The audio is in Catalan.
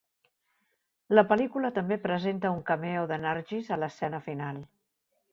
La pel·lícula també presenta un cameo de Nargis a l'escena final.